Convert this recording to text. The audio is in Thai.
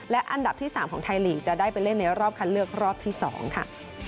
และอันดับที่๓ของไทยลีกจะได้ไปเล่นในรอบคัดเลือกรอบที่๒ค่ะ